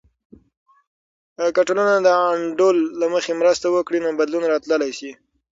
که ټولنه د انډول له مخې مرسته وکړي، نو بدلون راتللی سي.